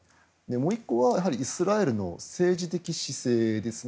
もう１個はイスラエルの政治的姿勢ですね。